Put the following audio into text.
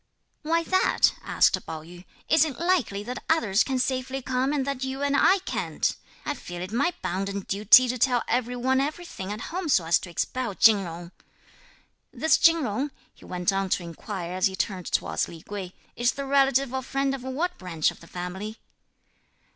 "Why that?" asked Pao yü. "Is it likely that others can safely come and that you and I can't? I feel it my bounden duty to tell every one everything at home so as to expel Chin Jung. This Chin Jung," he went on to inquire as he turned towards Lei Kuei, "is the relative or friend of what branch of the family?"